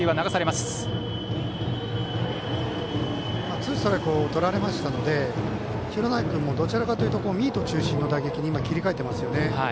ツーストライクをとられましたので廣内君もどちらかというとミート中心の打撃に切り替えていますよね。